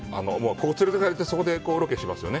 連れていかれて、そこでロケしますよね。